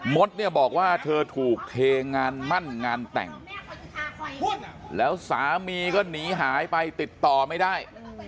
มดเนี่ยบอกว่าเธอถูกเทงานมั่นงานแต่งแล้วสามีก็หนีหายไปติดต่อไม่ได้